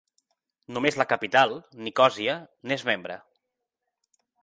Només la capital, Nicòsia, n'és membre.